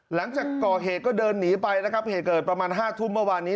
หลังจากก่อเหตุก็เดินหนีไปนะครับเหตุเกิดประมาณ๕ทุ่มเมื่อวานนี้